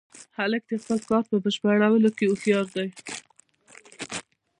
هلک د خپل کار په بشپړولو کې هوښیار دی.